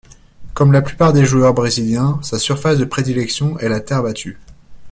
Comme la plupart des joueurs brésiliens, sa surface de prédilection est la terre battue.